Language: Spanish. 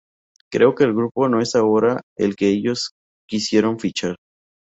Creo que el grupo no es ahora el que ellos quisieron fichar.